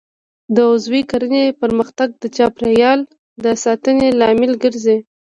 د عضوي کرنې پرمختګ د چاپیریال د ساتنې لامل ګرځي.